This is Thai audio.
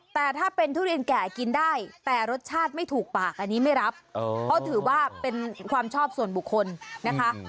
แต่ถ้าเป็นทุเรียนแก่กินได้แต่รสชาติไม่ถูกปากอันนี้ไม่รับเพราะถือว่าเป็นความชอบส่วนบุคคลนะคะ